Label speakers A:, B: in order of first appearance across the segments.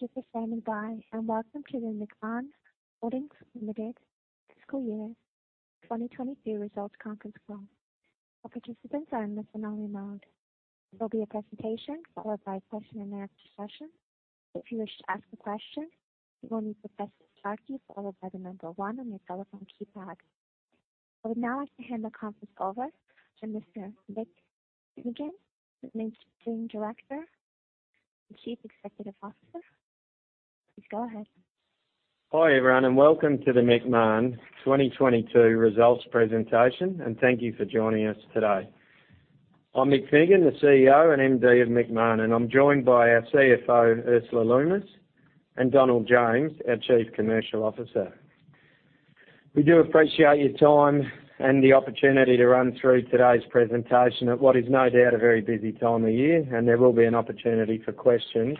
A: Welcome to the Macmahon Holdings Limited Fiscal Year 2022 Results Conference Call. All participants are in the listen-only mode. There'll be a presentation followed by a question and answer session. If you wish to ask a question, you will need to press star key followed by the number one on your telephone keypad. I would now like to hand the conference over to Mr. Michael Finnegan, Managing Director and Chief Executive Officer. Please go ahead.
B: Hi, everyone, and welcome to the Macmahon 2022 results presentation, and thank you for joining us today. I'm Michael Finnegan, the CEO and MD of Macmahon, and I'm joined by our CFO, Ursula Lummis, and Donald James, our Chief Commercial Officer. We do appreciate your time and the opportunity to run through today's presentation at what is no doubt a very busy time of year, and there will be an opportunity for questions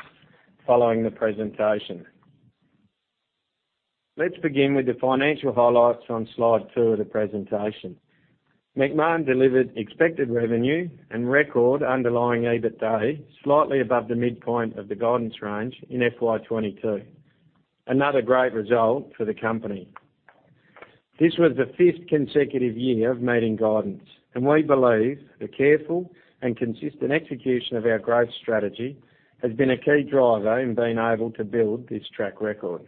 B: following the presentation. Let's begin with the financial highlights on slide two of the presentation. Macmahon delivered expected revenue and record underlying EBITDA slightly above the midpoint of the guidance range in FY 2022. Another great result for the company. This was the fifth consecutive year of meeting guidance, and we believe the careful and consistent execution of our growth strategy has been a key driver in being able to build this track record.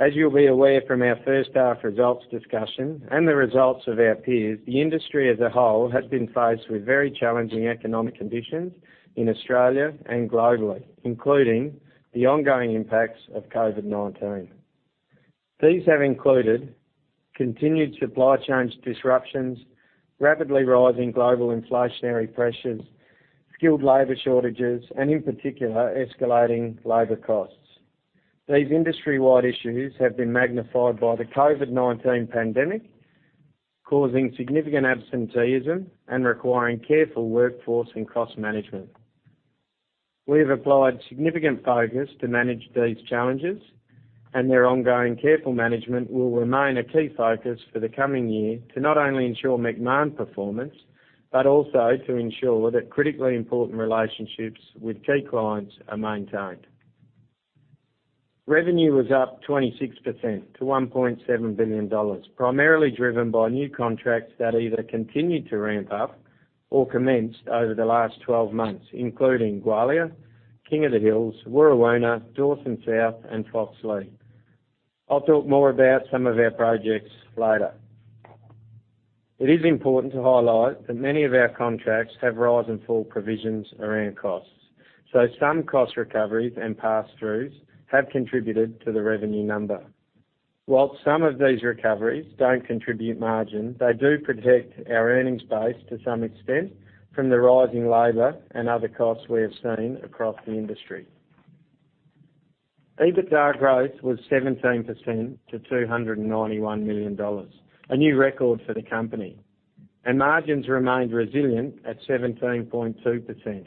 B: As you'll be aware from our first half results discussion and the results of our peers, the industry as a whole has been faced with very challenging economic conditions in Australia and globally, including the ongoing impacts of COVID-19. These have included continued supply chains disruptions, rapidly rising global inflationary pressures, skilled labor shortages, and in particular, escalating labor costs. These industry-wide issues have been magnified by the COVID-19 pandemic, causing significant absenteeism and requiring careful workforce and cost management. We've applied significant focus to manage these challenges, and their ongoing careful management will remain a key focus for the coming year to not only ensure Macmahon performance, but also to ensure that critically important relationships with key clients are maintained. Revenue was up 26% to 1.7 billion dollars, primarily driven by new contracts that either continued to ramp up or commenced over the last 12 months, including Gwalia, King of the Hills, Warrawoona, Dawson South, and Foxleigh. I'll talk more about some of our projects later. It is important to highlight that many of our contracts have rise and fall provisions around costs, so some cost recoveries and passthroughs have contributed to the revenue number. While some of these recoveries don't contribute margin, they do protect our earnings base to some extent from the rising labor and other costs we have seen across the industry. EBITDA growth was 17% to 291 million dollars, a new record for the company. Margins remained resilient at 17.2%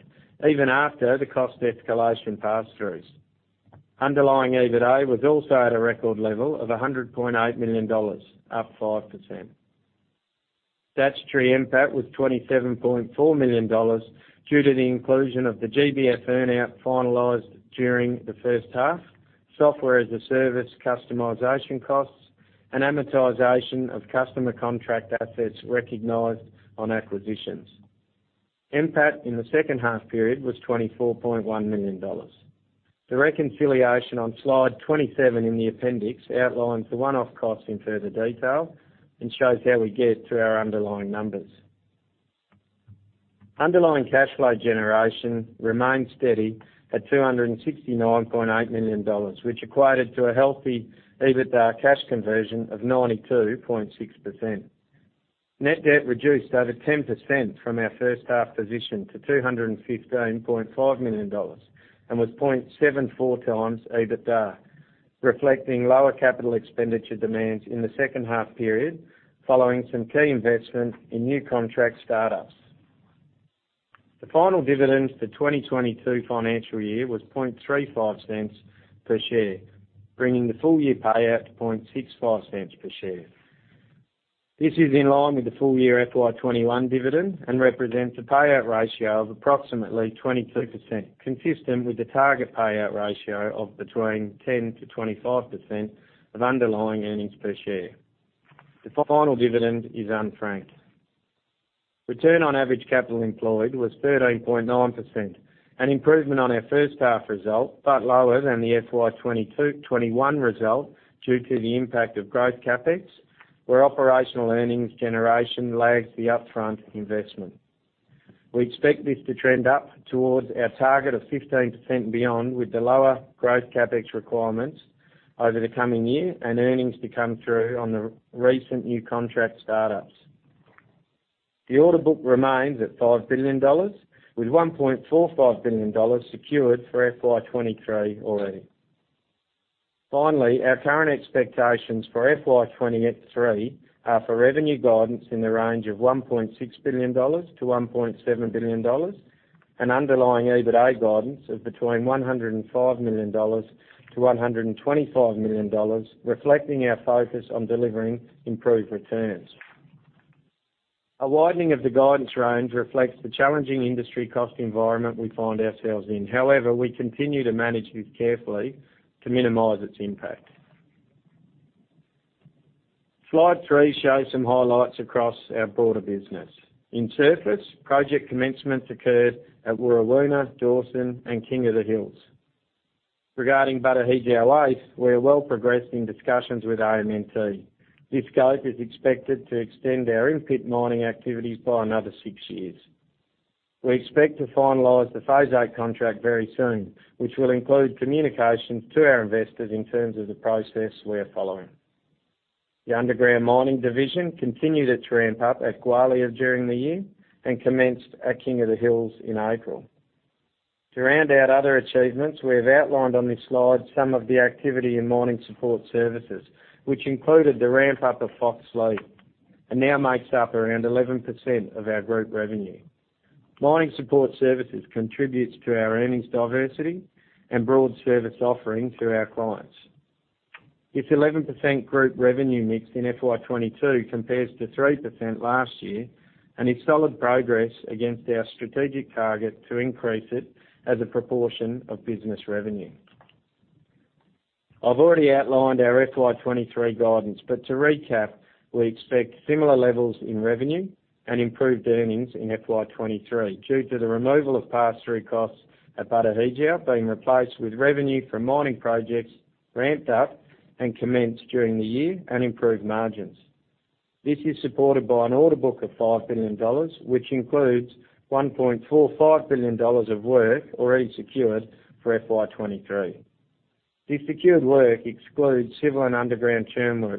B: even after the cost escalation passthroughs. Underlying EBITDA was also at a record level of 100.8 million dollars, up 5%. Statutory NPAT was 27.4 million dollars due to the inclusion of the GBF earn-out finalized during the first half, software as a service, customization costs, and amortization of customer contract assets recognized on acquisitions. NPAT in the second half period was 24.1 million dollars. The reconciliation on slide 27 in the appendix outlines the one-off costs in further detail and shows how we get to our underlying numbers. Underlying cash flow generation remained steady at 269.8 million dollars, which equated to a healthy EBITDA cash conversion of 92.6%. Net debt reduced over 10% from our first half position to 215.5 million dollars and was 0.74 times EBITDA, reflecting lower capital expenditure demands in the second half period following some key investment in new contract startups. The final dividend for 2022 financial year was 0.0035 per share, bringing the full year payout to 0.0065 per share. This is in line with the full year FY 2021 dividend and represents a payout ratio of approximately 22%, consistent with the target payout ratio of between 10%-25% of underlying earnings per share. The final dividend is unfranked. Return on average capital employed was 13.9%, an improvement on our first half result, but lower than the FY 2021 result due to the impact of growth CapEx, where operational earnings generation lags the upfront investment. We expect this to trend up towards our target of 15% and beyond with the lower growth CapEx requirements over the coming year and earnings to come through on the recent new contract startups. The order book remains at 5 billion dollars, with 1.45 billion dollars secured for FY 2023 already. Finally, our current expectations for FY 2023 are for revenue guidance in the range of 1.6 billion-1.7 billion dollars, an underlying EBITDA guidance of between 105 million-125 million dollars, reflecting our focus on delivering improved returns. A widening of the guidance range reflects the challenging industry cost environment we find ourselves in. However, we continue to manage this carefully to minimize its impact. Slide three shows some highlights across our broader business. In Surface, project commencements occurred at Warrawoona, Dawson, and King of the Hills. Regarding Batu Hijau waste, we are well progressed in discussions with AMNT. This scope is expected to extend our in-pit mining activities by another six years. We expect to finalize the Phase 8 contract very soon, which will include communications to our investors in terms of the process we are following. The underground mining division continued its ramp up at Gwalia during the year and commenced at King of the Hills in April. To round out other achievements, we have outlined on this slide some of the activity in mining support services, which included the ramp up of Foxleigh, and now makes up around 11% of our group revenue. Mining support services contributes to our earnings diversity and broad service offering to our clients. This 11% group revenue mix in FY 2022 compares to 3% last year, and is solid progress against our strategic target to increase it as a proportion of business revenue. I've already outlined our FY 2023 guidance, but to recap, we expect similar levels in revenue and improved earnings in FY 2023 due to the removal of pass-through costs at Batu Hijau being replaced with revenue from mining projects ramped up and commenced during the year and improved margins. This is supported by an order book of 5 billion dollars, which includes 1.45 billion dollars of work already secured for FY 2023. The secured work excludes civil and underground,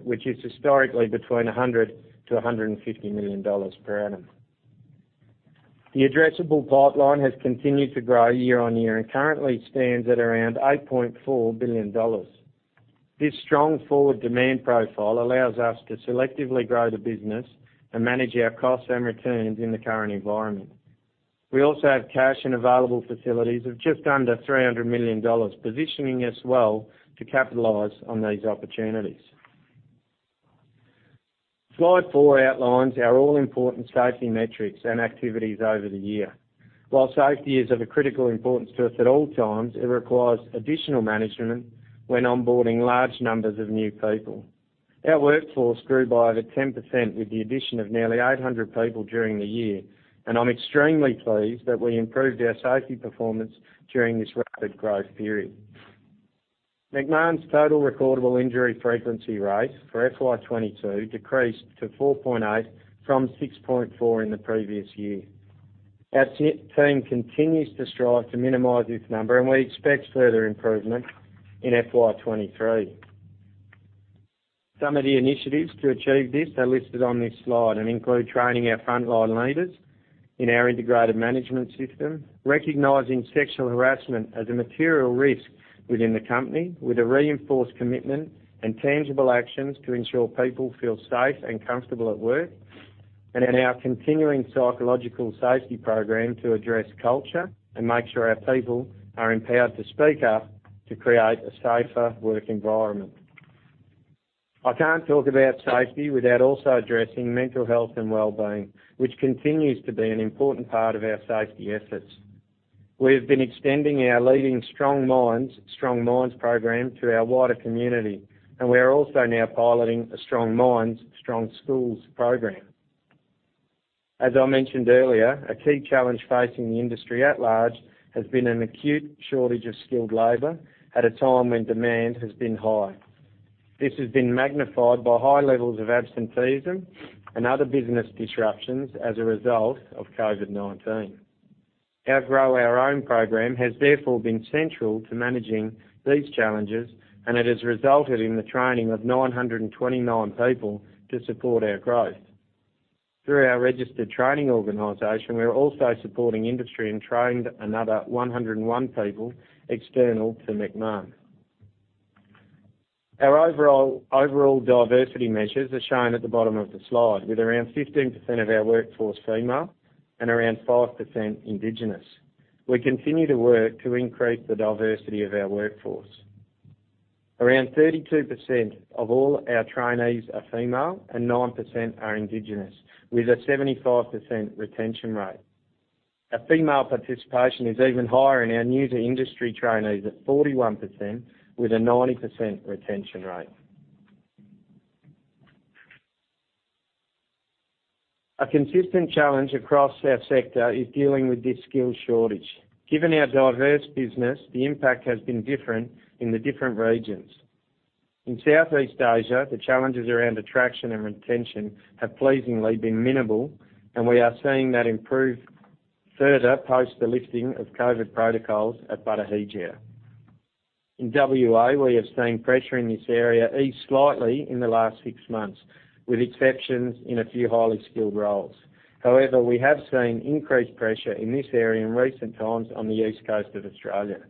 B: which is historically between 100 million-150 million dollars per annum. The addressable pipeline has continued to grow year-over-year and currently stands at around 8.4 billion dollars. This strong forward demand profile allows us to selectively grow the business and manage our costs and returns in the current environment. We also have cash and available facilities of just under 300 million dollars, positioning us well to capitalize on these opportunities. Slide four outlines our all-important safety metrics and activities over the year. While safety is of a critical importance to us at all times, it requires additional management when onboarding large numbers of new people. Our workforce grew by over 10% with the addition of nearly 800 people during the year, and I'm extremely pleased that we improved our safety performance during this rapid growth period. Macmahon's total recordable injury frequency rate for FY 2022 decreased to 4.8% from 6.4% in the previous year. Our safety team continues to strive to minimize this number, and we expect further improvement in FY 2023. Some of the initiatives to achieve this are listed on this slide and include training our frontline leaders in our integrated management system, recognizing sexual harassment as a material risk within the company with a reinforced commitment and tangible actions to ensure people feel safe and comfortable at work, and in our continuing psychological safety program to address culture and make sure our people are empowered to speak up to create a safer work environment. I can't talk about safety without also addressing mental health and wellbeing, which continues to be an important part of our safety efforts. We have been extending our leading Strong Minds, Strong Mines program to our wider community, and we are also now piloting a Strong Minds, Strong Schools program. As I mentioned earlier, a key challenge facing the industry at large has been an acute shortage of skilled labor at a time when demand has been high. This has been magnified by high levels of absenteeism and other business disruptions as a result of COVID-19. Our Grow Our Own program has therefore been central to managing these challenges, and it has resulted in the training of 929 people to support our growth. Through our registered training organization, we're also supporting industry in training another 101 people external to Macmahon. Our overall diversity measures are shown at the bottom of the slide with around 15% of our workforce female and around 5% indigenous. We continue to work to increase the diversity of our workforce. Around 32% of all our trainees are female and 9% are indigenous, with a 75% retention rate. Our female participation is even higher in our new to industry trainees at 41% with a 90% retention rate. A consistent challenge across our sector is dealing with this skills shortage. Given our diverse business, the impact has been different in the different regions. In Southeast Asia, the challenges around attraction and retention have pleasingly been minimal, and we are seeing that improve further post the lifting of COVID protocols at Batu Hijau. In WA, we have seen pressure in this area ease slightly in the last six months, with exceptions in a few highly skilled roles. However, we have seen increased pressure in this area in recent times on the East Coast of Australia.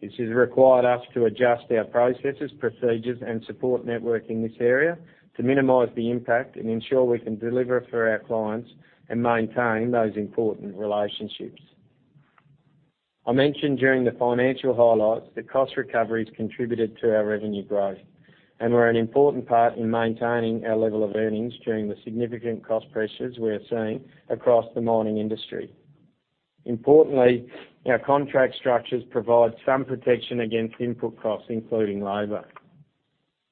B: This has required us to adjust our processes, procedures, and support network in this area to minimize the impact and ensure we can deliver for our clients and maintain those important relationships. I mentioned during the financial highlights that cost recovery has contributed to our revenue growth and were an important part in maintaining our level of earnings during the significant cost pressures we are seeing across the mining industry. Importantly, our contract structures provide some protection against input costs, including labor.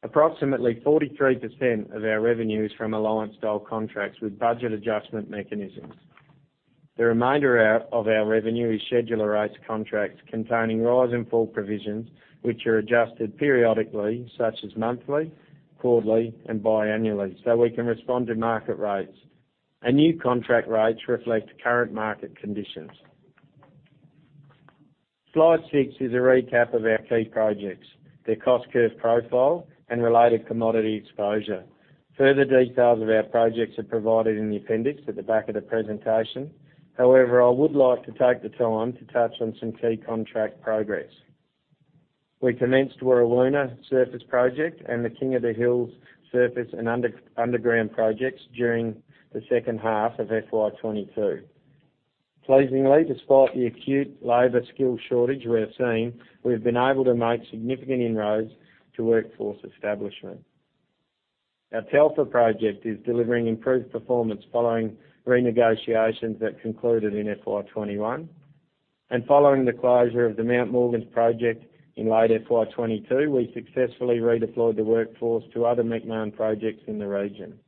B: Approximately 43% of our revenue is from allowance style contracts with budget adjustment mechanisms. The remainder of our revenue is schedule rates contracts containing rise and fall provisions, which are adjusted periodically, such as monthly, quarterly, and biannually, so we can respond to market rates. Our new contract rates reflect current market conditions. Slide six is a recap of our key projects, their cost curve profile and related commodity exposure. Further details of our projects are provided in the appendix at the back of the presentation. However, I would like to take the time to touch on some key contract progress. We commenced Warrawoona surface project and the King of the Hills surface and underground projects during the second half of FY 2022. Pleasingly, despite the acute labor skills shortage we're seeing, we've been able to make significant inroads to workforce establishment. Our Telfer project is delivering improved performance following renegotiations that concluded in FY 2021. Following the closure of the Mount Morgans project in late FY 2022, we successfully redeployed the workforce to other Macmahon projects in the region.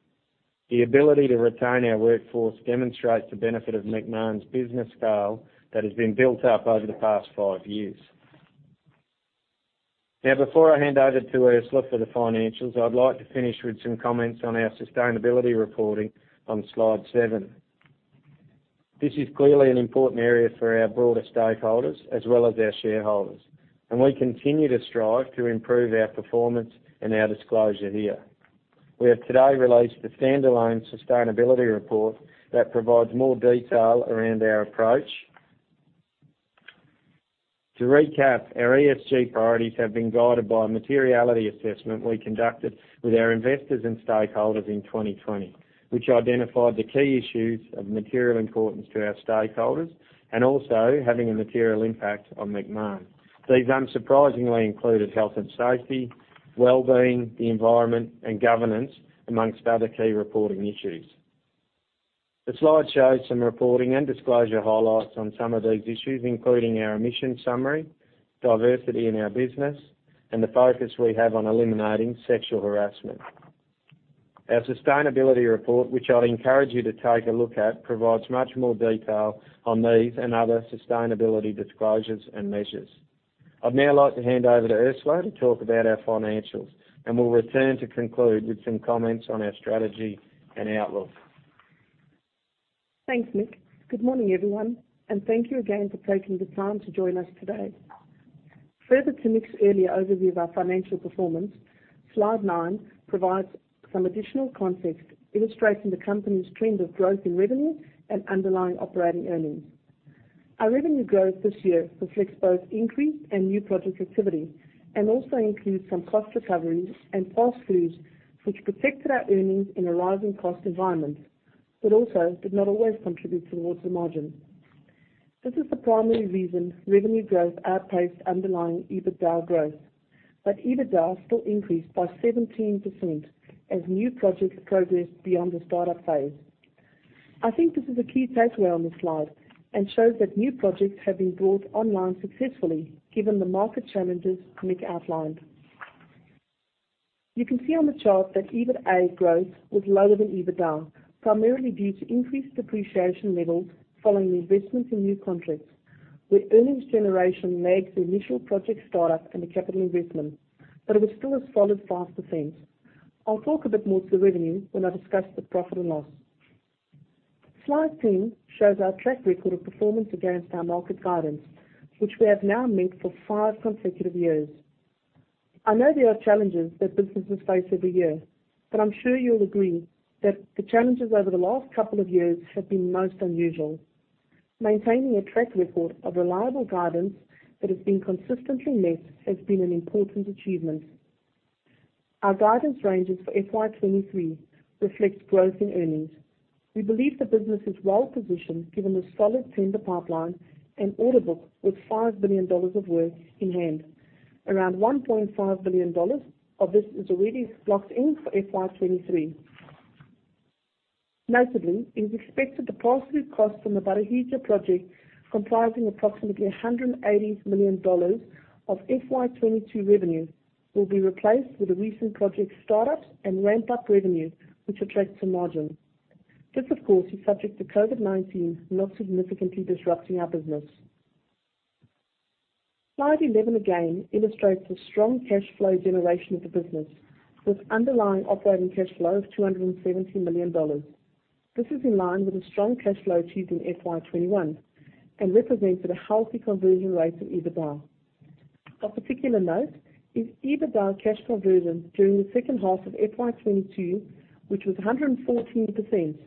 B: The ability to retain our workforce demonstrates the benefit of Macmahon's business scale that has been built up over the past five years. Now before I hand over to Ursula for the financials, I'd like to finish with some comments on our sustainability reporting on slide seven. This is clearly an important area for our broader stakeholders as well as our shareholders, and we continue to strive to improve our performance and our disclosure here. We have today released a standalone sustainability report that provides more detail around our approach. To recap, our ESG priorities have been guided by a materiality assessment we conducted with our investors and stakeholders in 2020, which identified the key issues of material importance to our stakeholders and also having a material impact on Macmahon. These unsurprisingly included health and safety, wellbeing, the environment, and governance, among other key reporting issues. The slide shows some reporting and disclosure highlights on some of these issues, including our emission summary, diversity in our business, and the focus we have on eliminating sexual harassment. Our sustainability report, which I'd encourage you to take a look at, provides much more detail on these and other sustainability disclosures and measures. I'd now like to hand over to Ursula to talk about our financials, and we'll return to conclude with some comments on our strategy and outlook.
C: Thanks, Mick. Good morning, everyone, and thank you again for taking the time to join us today. Further to Mick's earlier overview of our financial performance, slide nine provides some additional context illustrating the company's trend of growth in revenue and underlying operating earnings. Our revenue growth this year reflects both increased and new project activity and also includes some cost recovery and pass-throughs which protected our earnings in a rising cost environment, but also did not always contribute towards the margin. This is the primary reason revenue growth outpaced underlying EBITDA growth, but EBITDA still increased by 17% as new projects progressed beyond the start-up phase. I think this is a key takeaway on this slide and shows that new projects have been brought online successfully given the market challenges Mick outlined. You can see on the chart that EBITA growth was lower than EBITDA, primarily due to increased depreciation levels following the investments in new contracts, where earnings generation lags the initial project start-up and the capital investment, but it was still a solid 5%. I'll talk a bit more to the revenue when I discuss the profit and loss. Slide 10 shows our track record of performance against our market guidance, which we have now met for five consecutive years. I know there are challenges that businesses face every year, but I'm sure you'll agree that the challenges over the last couple of years have been most unusual. Maintaining a track record of reliable guidance that has been consistently met has been an important achievement. Our guidance ranges for FY 2023 reflects growth in earnings. We believe the business is well positioned given the solid tender pipeline and order book with 5 billion dollars of work in hand. Around 1.5 billion dollars of this is already blocked in for FY 2023. Notably, it is expected the pass-through costs from the Batu Hijau project, comprising approximately 180 million dollars of FY 2022 revenue, will be replaced with the recent project start-ups and ramp-up revenue, which attracts a margin. This, of course, is subject to COVID-19 not significantly disrupting our business. Slide 11 again illustrates the strong cash flow generation of the business with underlying operating cash flow of 270 million dollars. This is in line with the strong cash flow achieved in FY 2021 and represented a healthy conversion rate of EBITDA. Of particular note is EBITDA cash conversion during the second half of FY 2022, which was 114%,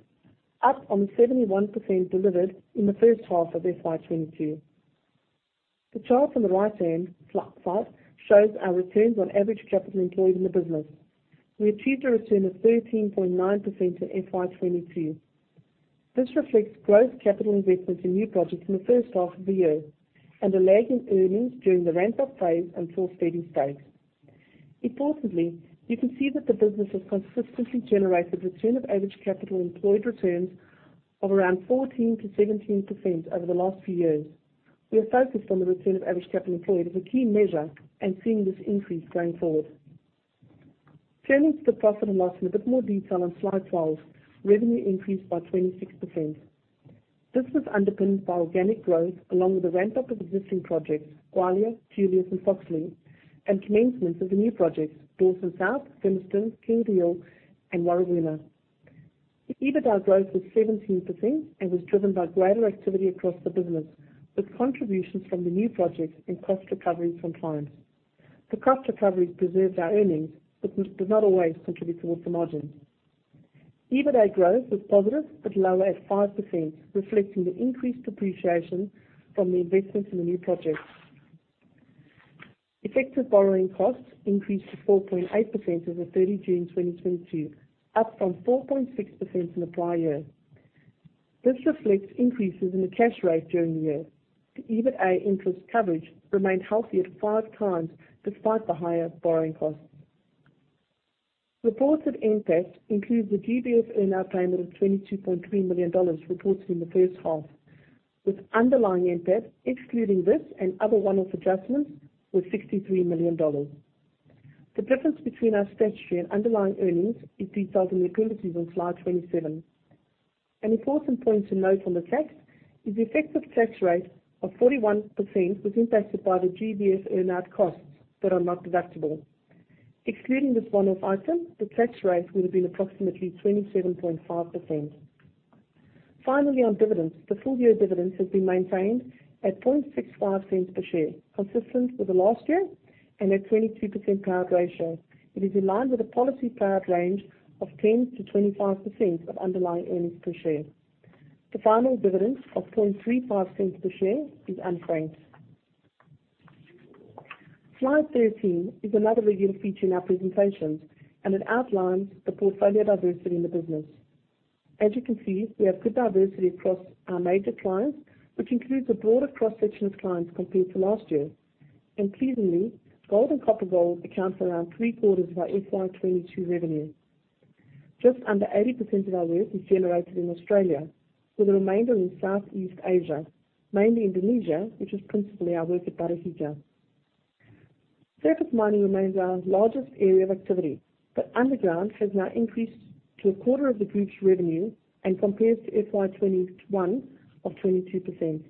C: up on the 71% delivered in the first half of FY 2022. The chart on the right-hand side shows our returns on average capital employed in the business. We achieved a return of 13.9% in FY 2022. This reflects growth capital investments in new projects in the first half of the year and a lag in earnings during the ramp-up phase until steady-state. Importantly, you can see that the business has consistently generated return of average capital employed returns of around 14%-17% over the last few years. We are focused on the return of average capital employed as a key measure and seeing this increase going forward. Turning to the profit and loss in a bit more detail on slide 12, revenue increased by 26%. This was underpinned by organic growth along with the ramp-up of existing projects, Gwalia, Julius, and Foxleigh, and commencement of the new projects, Dawson South, Fimiston, King of the Hills, and Warrawoona. EBITDA growth was 17% and was driven by greater activity across the business, with contributions from the new projects and cost recovery from clients. The cost recovery preserves our earnings but does not always contribute towards the margin. EBITA growth was positive but lower at 5%, reflecting the increased depreciation from the investments in the new projects. Effective borrowing costs increased to 4.8% as of 30 June 2022, up from 4.6% in the prior year. This reflects increases in the cash rate during the year. The EBITDA interest coverage remained healthy at five times despite the higher borrowing costs. Reported NPAT includes the GBF earn-out payment of 22.3 million dollars reported in the first half, with underlying NPAT, excluding this and other one-off adjustments, was 63 million dollars. The difference between our statutory and underlying earnings is detailed in the appendices on slide 27. An important point to note on the tax is the effective tax rate of 41% was impacted by the GBF earn-out costs that are not deductible. Excluding this one-off item, the tax rate would have been approximately 27.5%. Finally, on dividends, the full-year dividends have been maintained at 0.0065 per share, consistent with the last year and a 22% payout ratio. It is in line with a policy payout range of 10%-25% of underlying earnings per share. The final dividend of 0.0035 per share is unfranked. Slide 13 is another regular feature in our presentations, and it outlines the portfolio diversity in the business. As you can see, we have good diversity across our major clients, which includes a broader cross-section of clients compared to last year. Pleasingly, gold and copper-gold accounts for around 3/4 of our FY22 revenue. Just under 80% of our work is generated in Australia, with the remainder in Southeast Asia, mainly Indonesia, which is principally our work at Batu Hijau. Surface mining remains our largest area of activity, but underground has now increased to 1/4 of the group's revenue and compares to FY21 of 22%.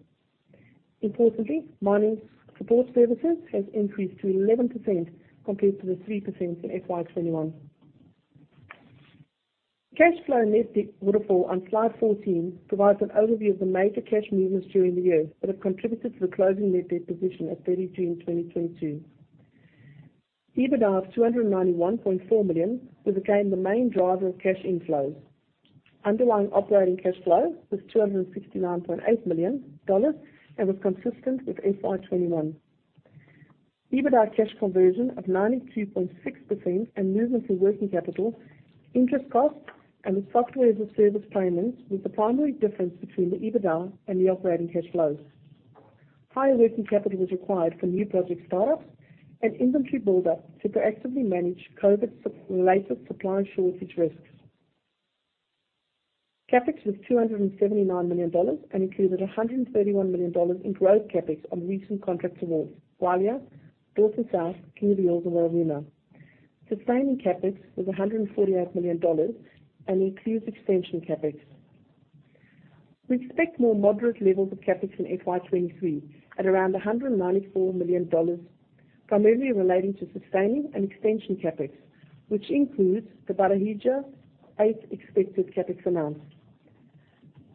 C: Importantly, mining support services has increased to 11% compared to the 3% in FY 2021. Cash flow and net debt waterfall on slide 14 provides an overview of the major cash movements during the year that have contributed to the closing net debt position at 30 June 2022. EBITDA of 291.4 million was again the main driver of cash inflows. Underlying operating cash flow was AUD 269.8 million and was consistent with FY 2021. EBITDA cash conversion of 92.6% and movements in working capital, interest costs, and the software as a service payment was the primary difference between the EBITDA and the operating cash flows. Higher working capital was required for new project startups and inventory buildup to proactively manage COVID-related supply shortage risks. CapEx was AUD 279 million and included AUD 131 million in growth CapEx on recent contract awards, Gwalia, Dawson South, King of the Hills, and Warrawoona. Sustaining CapEx was 148 million dollars and includes extension CapEx. We expect more moderate levels of CapEx in FY23 at around 194 million dollars, primarily relating to sustaining and extension CapEx, which includes the Batu Hijau Phase 8 expected CapEx amounts.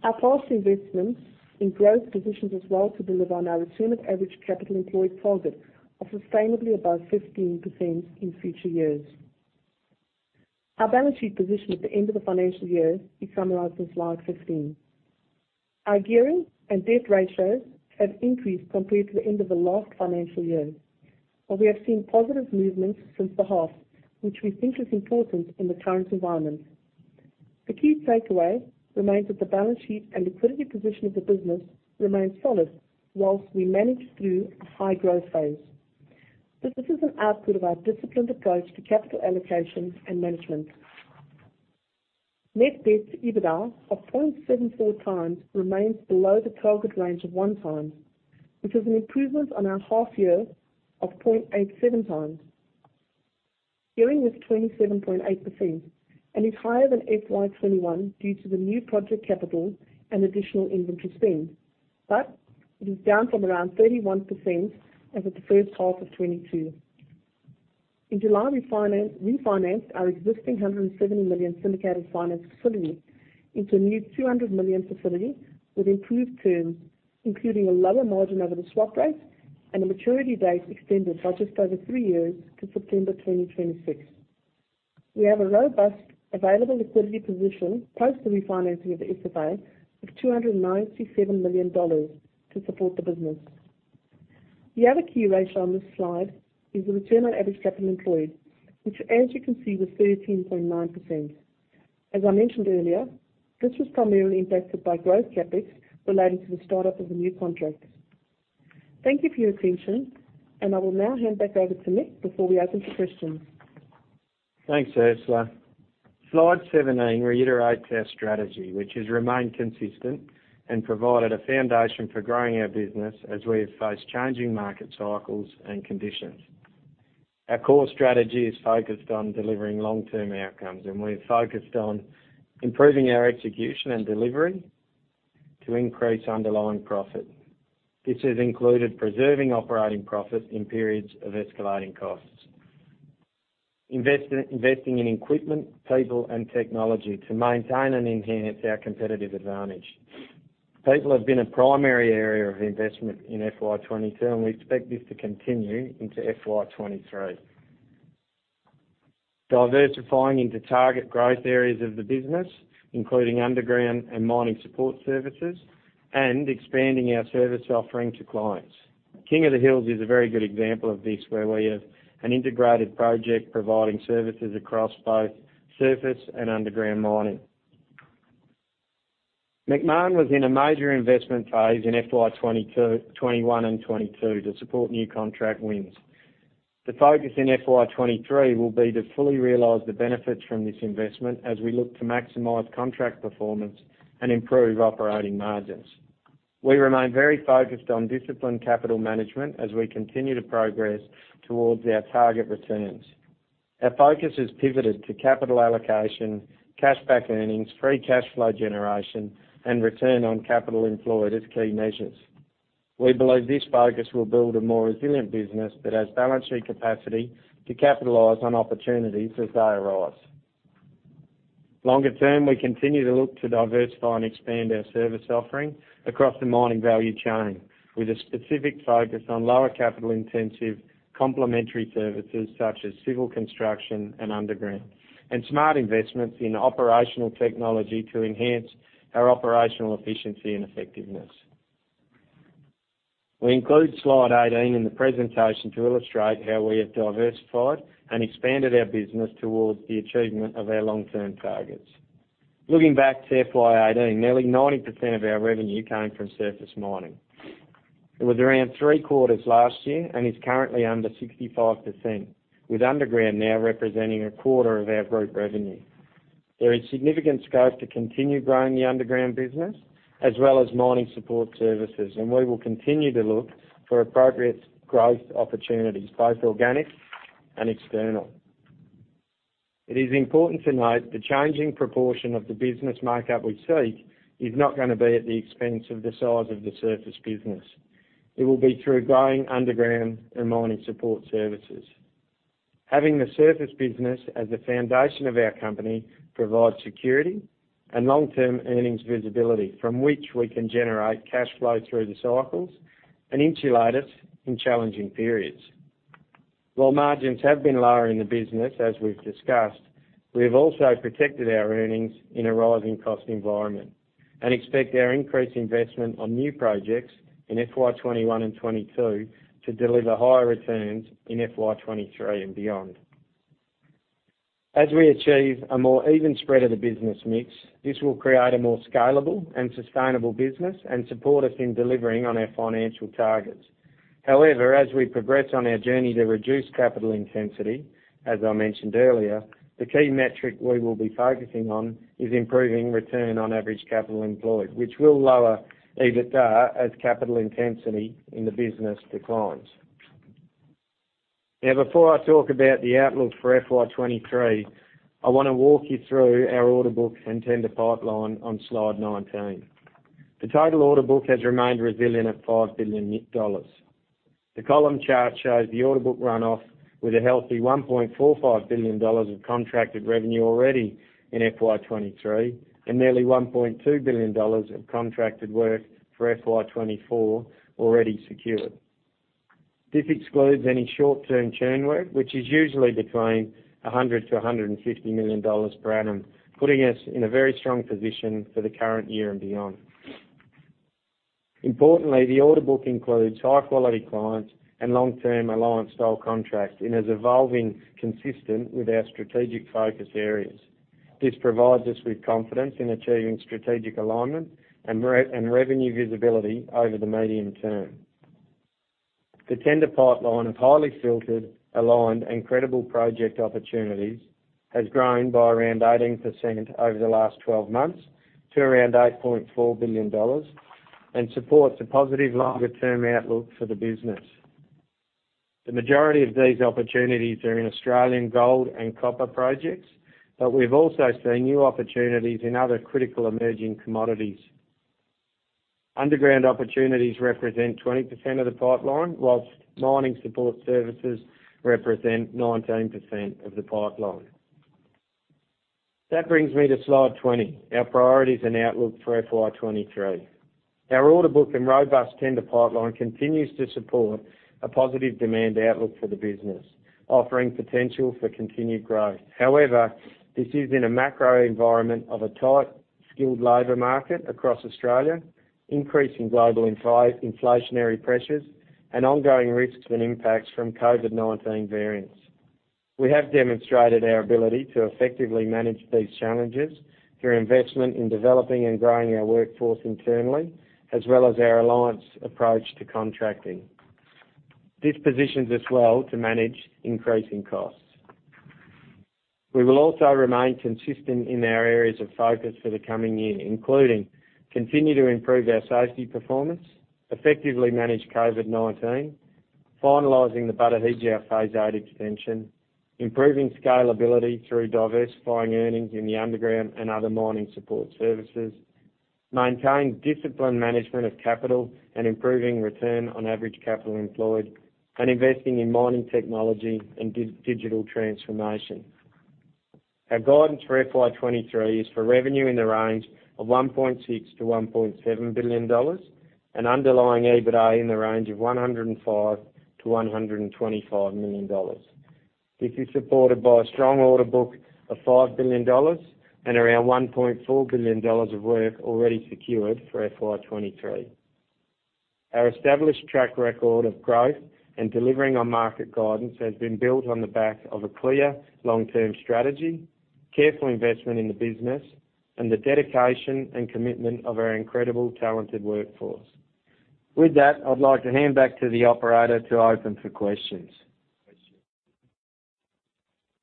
C: Our past investments in growth positions us well to deliver on our return on average capital employed target of sustainably above 15% in future years. Our balance sheet position at the end of the financial year is summarized on slide 15. Our gearing and debt ratios have increased compared to the end of the last financial year. We have seen positive movements since the half, which we think is important in the current environment. The key takeaway remains that the balance sheet and liquidity position of the business remains solid while we manage through a high growth phase. This is an output of our disciplined approach to capital allocation and management. Net debt to EBITDA of 0.74x remains below the target range of 1x, which is an improvement on our half year of 0.87x. Gearing was 27.8% and is higher than FY 2021 due to the new project capital and additional inventory spend. It is down from around 31% over the first half of 2022. In July, we financed, refinanced our existing 170 million syndicated finance facility into a new 200 million facility with improved terms, including a lower margin over the swap rate and a maturity date extended by just over three years to September 2026. We have a robust available liquidity position post the refinancing of the SFA of 297 million dollars to support the business. The other key ratio on this slide is the return on average capital employed, which, as you can see, was 13.9%. As I mentioned earlier, this was primarily impacted by growth CapEx relating to the start-up of the new contracts. Thank you for your attention, and I will now hand back over to Mick before we open for questions.
B: Thanks, Ursula. Slide 17 reiterates our strategy, which has remained consistent and provided a foundation for growing our business as we have faced changing market cycles and conditions. Our core strategy is focused on delivering long-term outcomes, and we're focused on improving our execution and delivery to increase underlying profit. This has included preserving operating profit in periods of escalating costs. Investing in equipment, people, and technology to maintain and enhance our competitive advantage. People have been a primary area of investment in FY 2022, and we expect this to continue into FY 2023. Diversifying into target growth areas of the business, including underground and mining support services, and expanding our service offering to clients. King of the Hills is a very good example of this, where we have an integrated project providing services across both surface and underground mining. Macmahon was in a major investment phase in FY 2021 and 2022 to support new contract wins. The focus in FY 2023 will be to fully realize the benefits from this investment as we look to maximize contract performance and improve operating margins. We remain very focused on disciplined capital management as we continue to progress towards our target returns. Our focus has pivoted to capital allocation, cash back earnings, free cash flow generation, and return on capital employed as key measures. We believe this focus will build a more resilient business that has balancing capacity to capitalize on opportunities as they arise. Longer term, we continue to look to diversify and expand our service offering across the mining value chain with a specific focus on lower capital-intensive complementary services such as civil construction and underground. Smart investments in operational technology to enhance our operational efficiency and effectiveness. We include slide 18 in the presentation to illustrate how we have diversified and expanded our business towards the achievement of our long-term targets. Looking back to FY 2018, nearly 90% of our revenue came from surface mining. It was around three-quarters last year and is currently under 65%, with underground now representing a quarter of our group revenue. There is significant scope to continue growing the underground business as well as mining support services, and we will continue to look for appropriate growth opportunities, both organic and external. It is important to note the changing proportion of the business makeup we seek is not gonna be at the expense of the size of the surface business. It will be through growing underground and mining support services. Having the surface business as the foundation of our company provides security and long-term earnings visibility from which we can generate cash flow through the cycles and insulate us in challenging periods. While margins have been lower in the business, as we've discussed, we have also protected our earnings in a rising cost environment and expect our increased investment on new projects in FY 2021 and 2022 to deliver higher returns in FY 2023 and beyond. As we achieve a more even spread of the business mix, this will create a more scalable and sustainable business and support us in delivering on our financial targets. However, as we progress on our journey to reduce capital intensity, as I mentioned earlier, the key metric we will be focusing on is improving return on average capital employed, which will lower EBITDA as capital intensity in the business declines. Now, before I talk about the outlook for FY 2023, I wanna walk you through our order book and tender pipeline on slide 19. The total order book has remained resilient at 5 billion dollars. The column chart shows the order book runoff with a healthy 1.45 billion dollars of contracted revenue already in FY 2023 and nearly 1.2 billion dollars of contracted work for FY 2024 already secured. This excludes any short-term churn work, which is usually between 100 million-150 million dollars per annum, putting us in a very strong position for the current year and beyond. Importantly, the order book includes high-quality clients and long-term alliance-style contracts and is evolving consistent with our strategic focus areas. This provides us with confidence in achieving strategic alignment and revenue visibility over the medium term. The tender pipeline of highly filtered, aligned, and credible project opportunities has grown by around 18% over the last 12 months to around 8.4 billion dollars and supports a positive longer-term outlook for the business. The majority of these opportunities are in Australian gold and copper projects, but we've also seen new opportunities in other critical emerging commodities. Underground opportunities represent 20% of the pipeline, while mining support services represent 19% of the pipeline. That brings me to slide 20, our priorities and outlook for FY 2023. Our order book and robust tender pipeline continues to support a positive demand outlook for the business, offering potential for continued growth. However, this is in a macro environment of a tight skilled labor market across Australia, increasing global inflationary pressures, and ongoing risks and impacts from COVID-19 variants. We have demonstrated our ability to effectively manage these challenges through investment in developing and growing our workforce internally, as well as our alliance approach to contracting. This positions us well to manage increasing costs. We will also remain consistent in our areas of focus for the coming year, including continue to improve our safety performance, effectively manage COVID-19, finalizing the Batu Hijau Phase 8 expansion, improving scalability through diversifying earnings in the underground and other mining support services, maintaining disciplined management of capital, and improving return on average capital employed, and investing in mining technology and digital transformation. Our guidance for FY23 is for revenue in the range of AUD 1.6 billion-AUD 1.7 billion, and underlying EBITA in the range of AUD 105 million-AUD 125 million. This is supported by a strong order book of AUD 5 billion and around AUD 1.4 billion of work already secured for FY23. Our established track record of growth and delivering on market guidance has been built on the back of a clear long-term strategy, careful investment in the business, and the dedication and commitment of our incredible talented workforce. With that, I'd like to hand back to the operator to open for questions.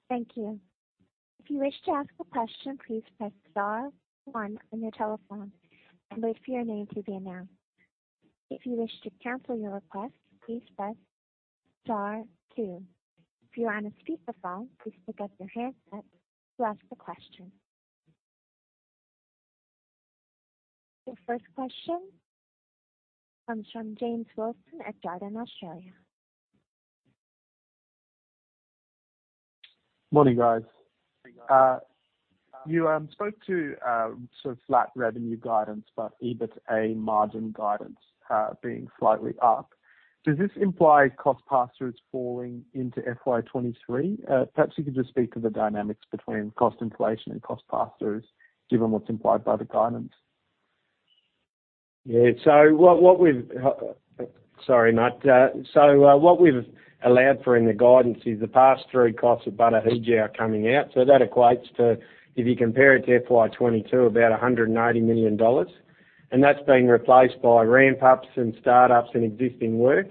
A: Thank you. If you wish to ask a question, please press star one on your telephone and wait for your name to be announced. If you wish to cancel your request, please press star two. If you are on a speakerphone, please pick up your handset to ask the question. The first question comes from James Wilson at Jarden Australia.
D: Morning, guys. You spoke to sort of flat revenue guidance, but EBITDA margin guidance being slightly up. Does this imply cost pass-through is falling into FY23? Perhaps you could just speak to the dynamics between cost inflation and cost pass-throughs given what's implied by the guidance.
B: Yeah. What we've allowed for in the guidance is the pass-through costs of Batu Hijau coming out. Sorry about that. That equates to, if you compare it to FY22, about 180 million dollars. That's being replaced by ramp-ups and start-ups in existing work.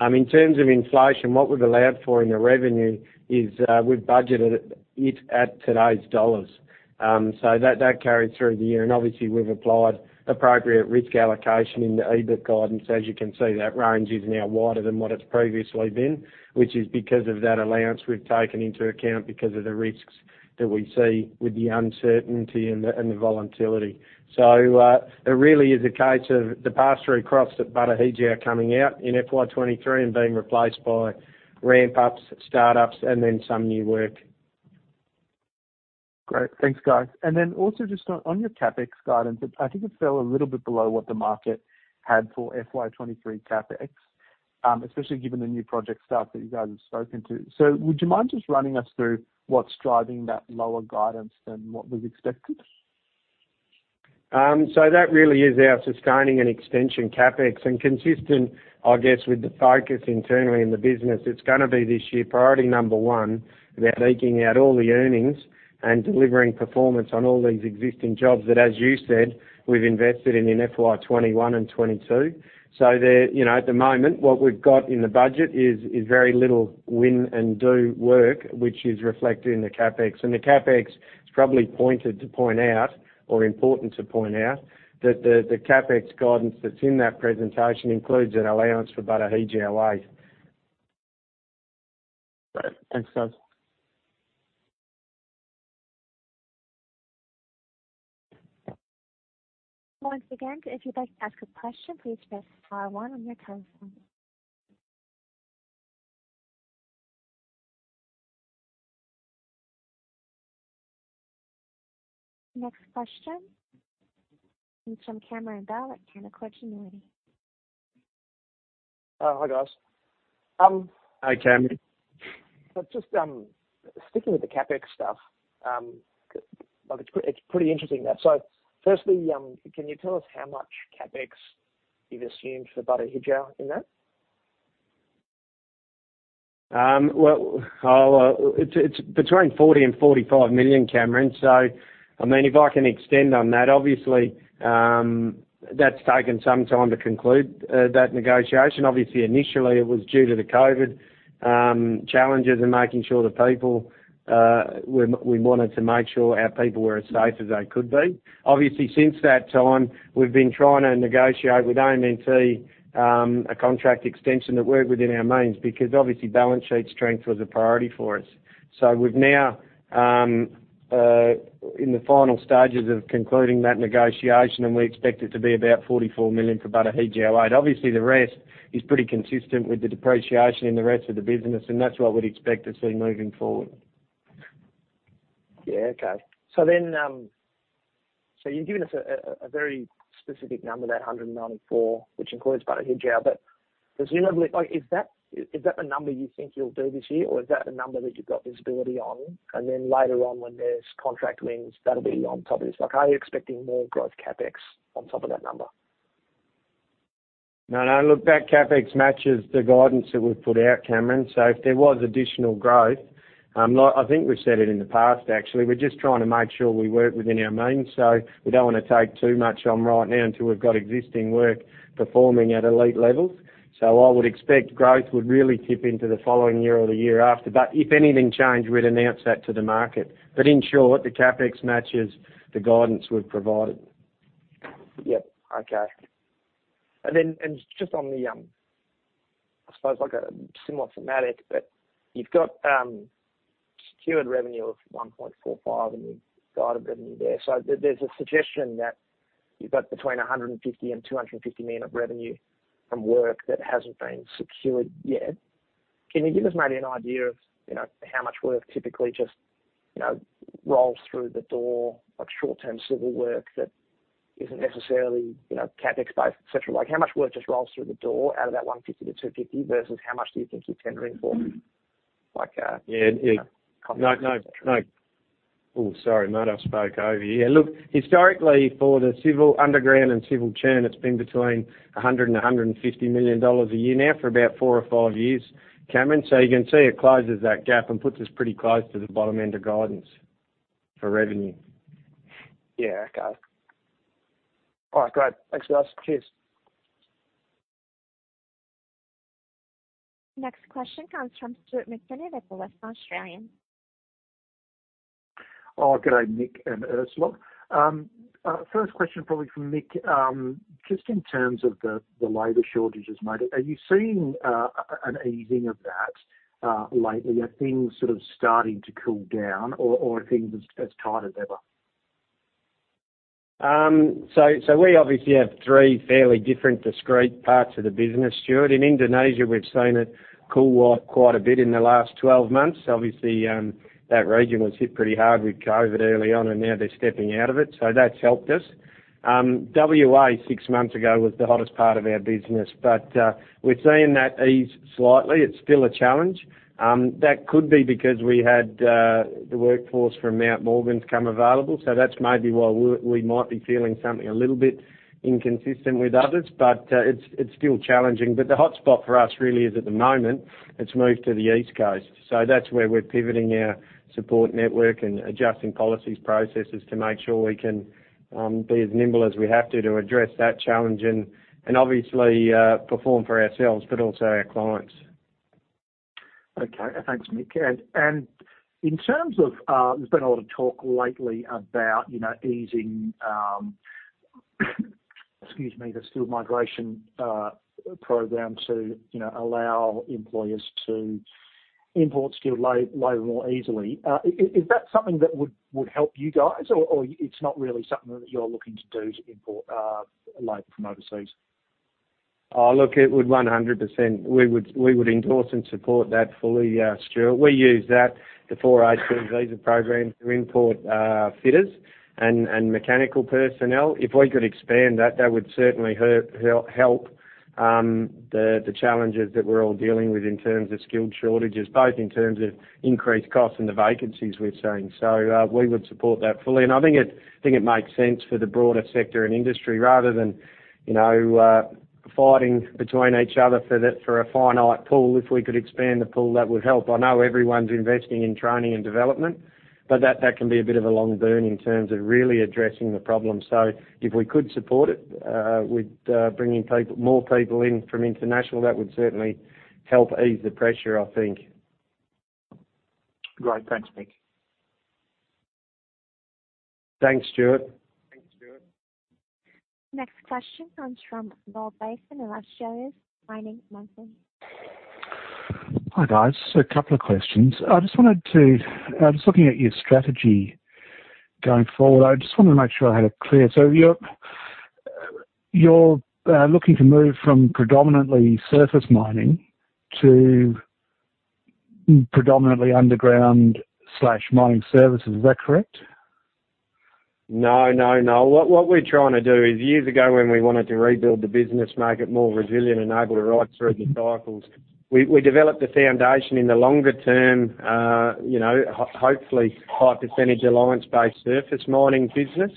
B: In terms of inflation, what we've allowed for in the revenue is, we've budgeted it at today's dollars. That carried through the year, and obviously we've applied appropriate risk allocation in the EBIT guidance. As you can see, that range is now wider than what it's previously been, which is because of that allowance we've taken into account because of the risks that we see with the uncertainty and the volatility. It really is a case of the pass-through costs at Batu Hijau coming out in FY23 and being replaced by ramp-ups, start-ups, and then some new work.
D: Great. Thanks, guys. Then also just on your CapEx guidance, I think it fell a little bit below what the market had for FY 2023 CapEx, especially given the new project stuff that you guys have spoken to. Would you mind just running us through what's driving that lower guidance than what was expected?
B: That really is our sustaining and extension CapEx. Consistent, I guess, with the focus internally in the business, it's gonna be this year priority number one about squeezing out all the earnings and delivering performance on all these existing jobs that, as you said, we've invested in FY 2021 and 2022. There you know, at the moment, what we've got in the budget is very little win and do work, which is reflected in the CapEx. The CapEx, it's probably important to point out that the CapEx guidance that's in that presentation includes an allowance for Batu Hijau Phase 8.
D: Great. Thanks, guys.
A: Once again, if you'd like to ask a question, please press star one on your telephone. Next question comes from Cameron Bell at Canaccord Genuity.
E: Hi, guys.
B: Hi, Cameron.
E: Just sticking with the CapEx stuff, like it's pretty interesting there. Firstly, can you tell us how much CapEx you've assumed for Batu Hijau in that?
B: Well, it's between 40 million and 45 million, Cameron. I mean, if I can expand on that, obviously, that's taken some time to conclude that negotiation. Obviously, initially it was due to the COVID challenges and making sure the people we wanted to make sure our people were as safe as they could be. Obviously, since that time we've been trying to negotiate with AMNT a contract extension that worked within our means because obviously balance sheet strength was a priority for us. We're now in the final stages of concluding that negotiation, and we expect it to be about 44 million for Batu Hijau Phase 8. Obviously, the rest is pretty consistent with the depreciation in the rest of the business, and that's what we'd expect to see moving forward.
E: Yeah. Okay. You've given us a very specific number, that's 194 million, which includes Batu Hijau. Presumably, like is that the number you think you'll do this year or is that the number that you've got visibility on? Later on when there's contract wins, that'll be on top of this. Like, are you expecting more growth CapEx on top of that number?
B: No, no. Look, that CapEx matches the guidance that we've put out, Cameron. If there was additional growth, like I think we've said it in the past, actually, we're just trying to make sure we work within our means, so we don't wanna take too much on right now until we've got existing work performing at elite levels. I would expect growth would really tip into the following year or the year after. If anything changed, we'd announce that to the market. In short, the CapEx matches the guidance we've provided.
E: Yep. Okay. Just on the, I suppose like a similar thematic, but you've got secured revenue of 1.45 billion, and you've guided revenue there. There's a suggestion that you've got between 150 million and 250 million of revenue from work that hasn't been secured yet. Can you give us maybe an idea of, you know, how much work typically just, you know, rolls through the door, like short-term civil work that isn't necessarily, you know, CapEx based, et cetera? Like, how much work just rolls through the door out of that 150 million-250 million versus how much do you think you're tendering for? Like, you know, confidence.
B: Yeah. No, no. Oh, sorry, mate, I spoke over you. Yeah, look, historically, for the civil underground and civil churn, it's been between 100 million and 150 million dollars a year now for about four or five years, Cameron. You can see it closes that gap and puts us pretty close to the bottom end of guidance for revenue.
E: Yeah, okay. All right. Great. Thanks for asking. Cheers.
A: Next question comes from Stuart Macfarlane at The West Australian.
F: Oh, g'day, Mick and Ursula. First question probably for Mick. Just in terms of the labor shortages, mate, are you seeing an easing of that lately? Are things sort of starting to cool down or are things as tight as ever?
B: We obviously have three fairly different discrete parts of the business, Stuart. In Indonesia, we've seen it cool off quite a bit in the last 12 months. Obviously, that region was hit pretty hard with COVID early on, and now they're stepping out of it, so that's helped us. WA six months ago was the hottest part of our business, but we've seen that ease slightly. It's still a challenge. That could be because we had the workforce from Mount Morgan's come available, so that's maybe why we might be feeling something a little bit inconsistent with others. It's still challenging. The hotspot for us really is at the moment, it's moved to the East Coast. That's where we're pivoting our support network and adjusting policies, processes to make sure we can be as nimble as we have to to address that challenge and obviously perform for ourselves, but also our clients.
F: Okay. Thanks, Mick. In terms of, there's been a lot of talk lately about, you know, easing, excuse me, the skilled migration program to, you know, allow employers to import skilled labor more easily. Is that something that would help you guys, or it's not really something that you're looking to do to import labor from overseas?
B: Oh, look, it would 100%. We would endorse and support that fully, Stuart. We use the 482 visa program to import fitters and mechanical personnel. If we could expand that would certainly help the challenges that we're all dealing with in terms of skilled shortages, both in terms of increased costs and the vacancies we're seeing. We would support that fully. I think it makes sense for the broader sector and industry rather than you know fighting between each other for a finite pool. If we could expand the pool, that would help. I know everyone's investing in training and development, but that can be a bit of a long burn in terms of really addressing the problem. If we could support it with bringing more people in from international, that would certainly help ease the pressure, I think.
F: Great. Thanks, Mick.
B: Thanks, Stuart.
F: Thanks, Stuart.
A: Next question comes from Noel Dyson, Australia's Mining Monthly.
G: Hi, guys. A couple of questions. I'm just looking at your strategy going forward. I just wanna make sure I had it clear. You're looking to move from predominantly surface mining to predominantly underground slash mining services. Is that correct?
B: No, no. What we're trying to do is years ago, when we wanted to rebuild the business, make it more resilient, enable to ride through the cycles, we developed the foundation in the longer term, you know, hopefully high percentage alliance-based surface mining business.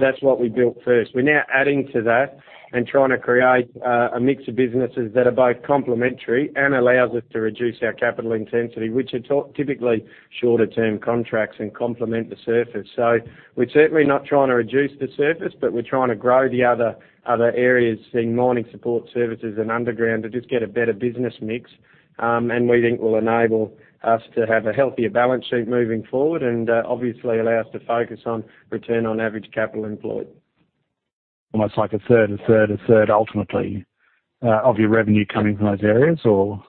B: That's what we built first. We're now adding to that and trying to create a mix of businesses that are both complementary and allows us to reduce our capital intensity, which are typically shorter term contracts and complement the surface. We're certainly not trying to reduce the surface, but we're trying to grow the other areas, seeing mining support services and underground to just get a better business mix, and we think will enable us to have a healthier balance sheet moving forward and, obviously allow us to focus on return on average capital employed.
G: Almost like a third, ultimately, of your revenue coming from those areas or?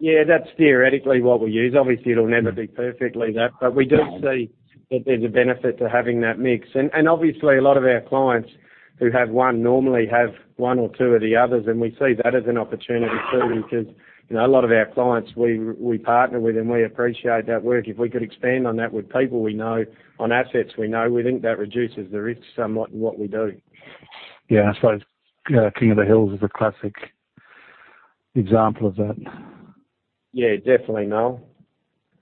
B: Yeah. That's theoretically what we use. Obviously, it'll never be perfectly that, but we do see that there's a benefit to having that mix. Obviously a lot of our clients who have one normally have one or two of the others, and we see that as an opportunity too because, you know, a lot of our clients we partner with and we appreciate that work. If we could expand on that with people we know on assets we know, we think that reduces the risk somewhat in what we do.
G: Yeah. I suppose, King of the Hills is a classic example of that.
B: Yeah, definitely, Noel.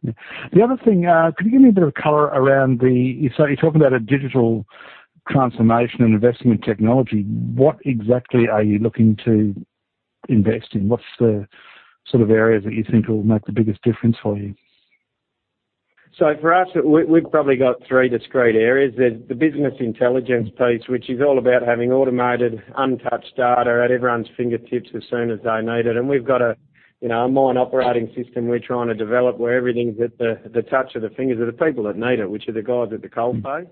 G: The other thing, could you give me a bit of color around. You're talking about a digital transformation and investment technology. What exactly are you looking to invest in? What's the sort of areas that you think will make the biggest difference for you?
B: for us, we've probably got three discrete areas. There's the business intelligence piece, which is all about having automated, untouched data at everyone's fingertips as soon as they need it. We've got a, you know, a mine operating system we're trying to develop where everything's at the touch of the fingers of the people that need it, which are the guys at the coalface.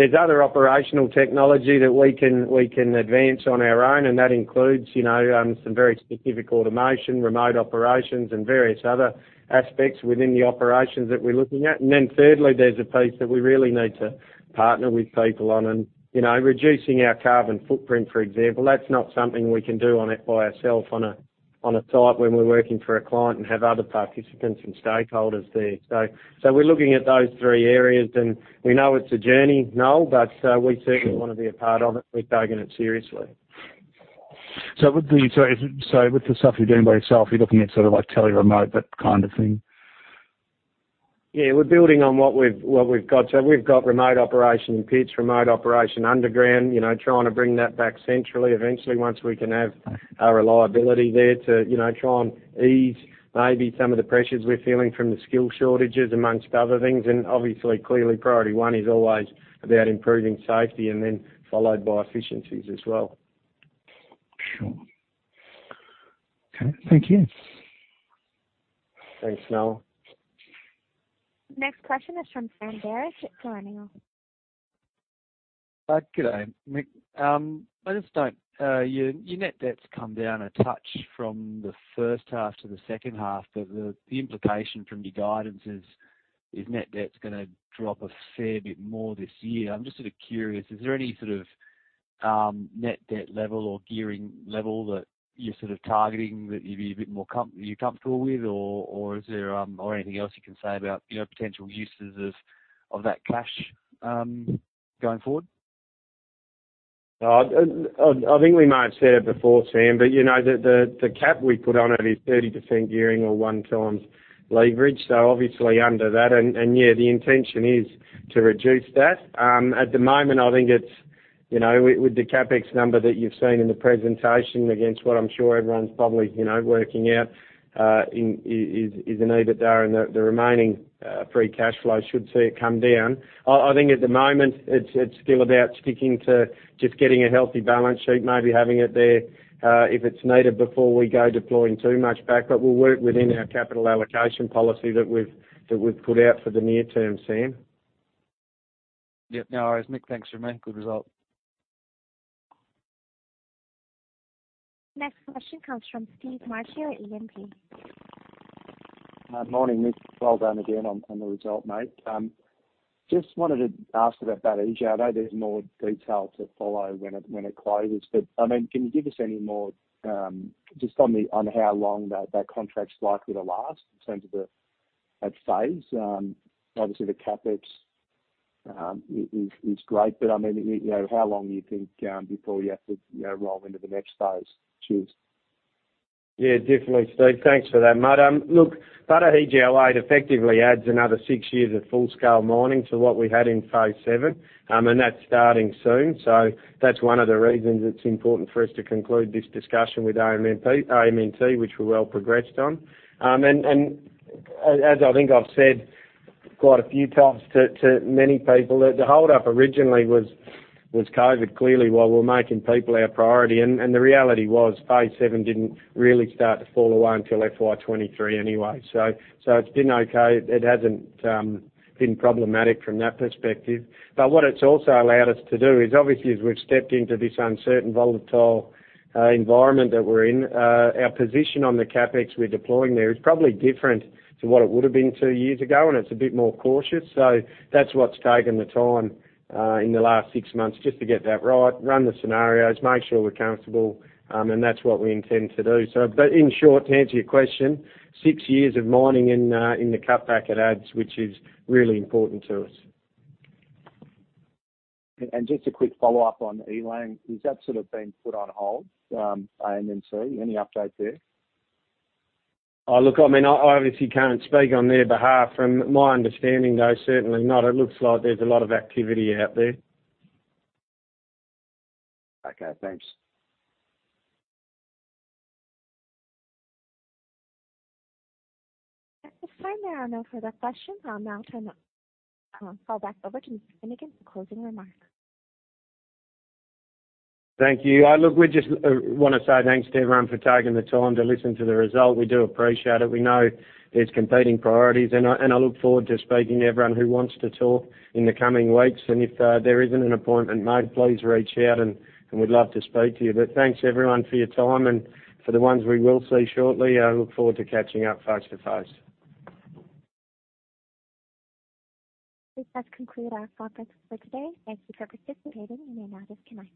B: There's other operational technology that we can advance on our own, and that includes, you know, some very specific automation, remote operations, and various other aspects within the operations that we're looking at. Thirdly, there's a piece that we really need to partner with people on and, you know, reducing our carbon footprint, for example. That's not something we can do on it by ourselves on a site when we're working for a client and have other participants and stakeholders there. We're looking at those three areas, and we know it's a journey, Noel, but we certainly wanna be a part of it. We've taken it seriously.
G: With the stuff you're doing by yourself, you're looking at sort of like tele-remote, that kind of thing?
B: Yeah. We're building on what we've got. We've got remote operation pits, remote operation underground, you know, trying to bring that back centrally eventually once we can have a reliability there to, you know, try and ease maybe some of the pressures we're feeling from the skill shortages among other things. Obviously, clearly, priority one is always about improving safety and then followed by efficiencies as well.
G: Sure. Okay. Thank you.
B: Thanks, Noel.
A: Next question is from Sam Harrison at Colonial First State.
H: Good day, Mick. Your net debt's come down a touch from the first half to the second half, but the implication from your guidance is net debt's gonna drop a fair bit more this year. I'm just sort of curious, is there any sort of net debt level or gearing level that you're sort of targeting that you'd be a bit more comfortable with? Or is there or anything else you can say about, you know, potential uses of that cash going forward?
B: I think we may have said it before, Sam, but you know, the cap we put on it is 30% gearing or 1x leverage, so obviously under that. Yeah, the intention is to reduce that. At the moment, I think it's, you know, with the CapEx number that you've seen in the presentation against what I'm sure everyone's probably, you know, working out an EBITDA, and the remaining free cash flow should see it come down. I think at the moment it's still about sticking to just getting a healthy balance sheet, maybe having it there if it's needed before we go deploying too much back. We'll work within our capital allocation policy that we've put out for the near term, Sam.
H: Yep. No worries, Mick. Thanks for your input as well.
A: Next question comes from Steve Marchio at E&P.
I: Morning, Mick. Well done again on the result, mate. Just wanted to ask about that HGO. There's more detail to follow when it closes, but I mean, can you give us any more just on how long that contract's likely to last in terms of that phase? Obviously the CapEx is great, but I mean, you know, how long do you think before you have to you know, roll into the next phase? Cheers.
B: Yeah, definitely Steve. Thanks for that, mate. Look, Batu Hijau Phase 8 effectively adds another six years of full scale mining to what we had in phase seven. And that's starting soon. That's one of the reasons it's important for us to conclude this discussion with AMNT, which we're well progressed on. As I think I've said quite a few times to many people, the hold-up originally was COVID, clearly, while we're making people our priority. The reality was phase seven didn't really start to fall away until FY 2023 anyway. It's been okay. It hasn't been problematic from that perspective. What it's also allowed us to do is, obviously, as we've stepped into this uncertain, volatile, environment that we're in, our position on the CapEx we're deploying there is probably different to what it would have been two years ago, and it's a bit more cautious. That's what's taken the time, in the last six months, just to get that right, run the scenarios, make sure we're comfortable. That's what we intend to do. In short, to answer your question, six years of mining in the cutback it adds, which is really important to us.
I: just a quick follow-up on Elang. Has that sort of been put on hold, AMNT? Any update there?
B: Oh, look, I mean, I obviously can't speak on their behalf. From my understanding, though, certainly not. It looks like there's a lot of activity out there.
I: Okay, thanks.
A: At this time, there are no further questions. I'll now call back over to Mr. Finnegan for closing remarks.
B: Thank you. Look, we just wanna say thanks to everyone for taking the time to listen to the result. We do appreciate it. We know there's competing priorities, and I look forward to speaking to everyone who wants to talk in the coming weeks. If there isn't an appointment made, please reach out and we'd love to speak to you. Thanks everyone for your time and for the ones we will see shortly. I look forward to catching up face to face.
A: This does conclude our conference for today. Thank you for participating and you may now disconnect.